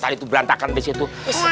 tadi tuh berantakan disitu